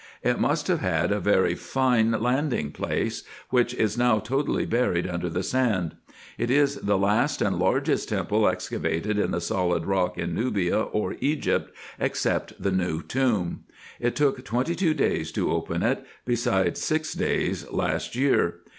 It must have had a very fine landing place, which is now totally buried under the sand. It is the last and largest temple excavated in the solid rock in Nubia or Egypt, except the new tomb. It took twenty two days to open it, beside six days last year.